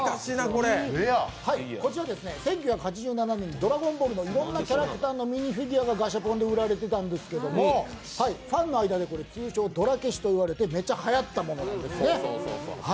こちらは１９８７年に「ドラゴンボール」のいろんなキャラクターのミニフィギュアがガシャポンで売られていたんですけどファンの間で通常・ドラ消しといわれて、めっちゃはやったものなんですね。